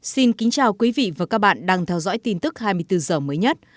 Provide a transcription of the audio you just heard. xin kính chào quý vị và các bạn đang theo dõi tin tức hai mươi bốn h mới nhất